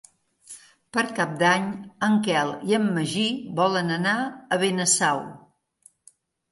Per Cap d'Any en Quel i en Magí volen anar a Benasau.